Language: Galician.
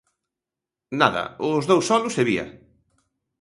Nada, os dous solos e vía.